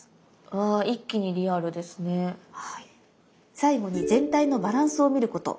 最後に全体のバランスを見ること。